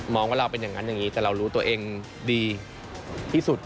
ว่าเราเป็นอย่างนั้นอย่างนี้แต่เรารู้ตัวเองดีที่สุด